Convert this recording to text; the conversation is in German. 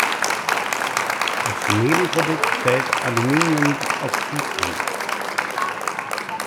Als Nebenprodukt fällt Aluminiumoxid an.